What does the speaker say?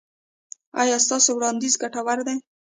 ایا ستاسو وړاندیز ګټور دی؟